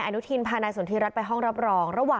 สมบัติการพลังมีชาติรักษ์ได้หรือเปล่า